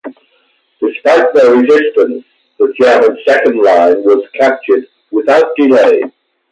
Despite their resistance, the German second line was captured without delay.